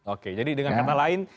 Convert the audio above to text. oke jadi dengan kata lain